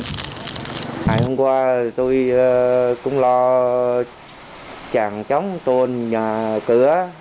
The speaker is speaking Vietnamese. chúng tôi cũng lo chẳng chống tôn nhà cửa